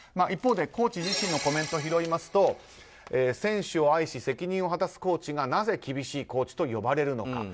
一方でコーチ自身のコメントを拾いますと選手を愛し責任を果たすコーチがなぜ厳しいコーチと呼ばれるのか。